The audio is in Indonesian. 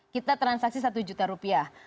kita transaksi satu juta rupiah